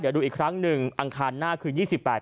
เดี๋ยวดูอีกครั้งหนึ่งอังคารหน้าคือยี่สิบแปด